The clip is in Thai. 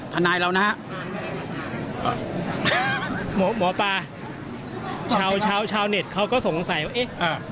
ทนายเรานะฮะหมอหมอปลาชาวชาวเน็ตเขาก็สงสัยว่าเอ๊ะอ่า